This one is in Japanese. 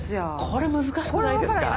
これ難しくないですか？